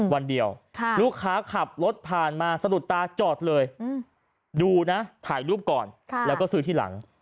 วันเดียวลูกค้าขับรถผ่านมาสะดุดตาจอดเลยดูนะถ่ายรูปก่อนแล้วก็ซื้อที่หลัง